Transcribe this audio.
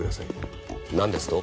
なんですと？